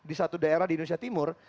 di satu daerah di indonesia timur